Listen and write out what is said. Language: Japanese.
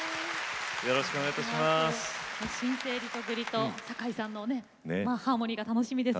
新生リトグリとさかいさんのハーモニーが楽しみです。